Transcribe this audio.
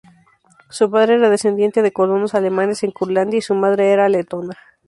Su padre era descendiente de colonos alemanes en Curlandia y su madre era letona.